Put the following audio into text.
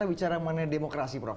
kita bicara mengenai demokrasi prof